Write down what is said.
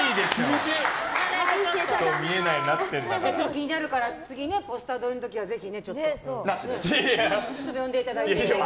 気になるから次ポスター撮りの時は呼んでいただいて。